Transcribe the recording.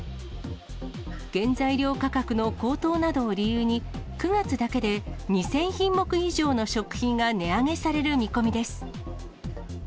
原材料価格の高騰などを理由に、９月だけで２０００品目以上の食品が値上げされる見込みです。